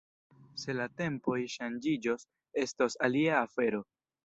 Se la tempoj ŝanĝiĝos, estos alia afero.